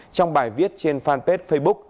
trong bài viết trên fanpage facebook